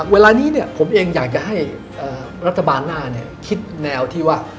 เวลานี้ผมเองอยากจะให้รัฐบาลหน้าคิดแนวที่ว่า